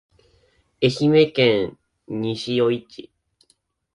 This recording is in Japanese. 愛媛県西予市